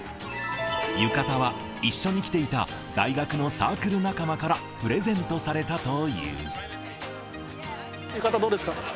浴衣は一緒に来ていた大学のサークル仲間からプレゼントされたと浴衣どうですか？